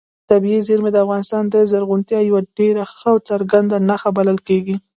طبیعي زیرمې د افغانستان د زرغونتیا یوه ډېره ښه او څرګنده نښه بلل کېږي.